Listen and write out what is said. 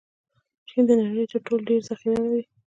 چین د نړۍ تر ټولو ډېر ذخیره لري.